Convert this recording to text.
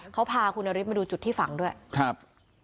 เขาพาคุณนฤทธิมาดูจุดที่ฝังด้วยครับ